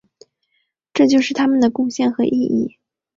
这就是他们的贡献和意义。